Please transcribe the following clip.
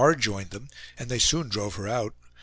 joined them, and they soon drove her out.